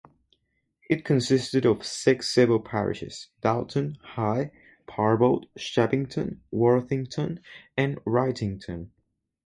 It consisted of six civil parishes: Dalton, Haigh, Parbold, Shevington, Worthington and Wrightington.